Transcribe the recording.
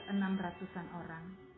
enam ratusan orang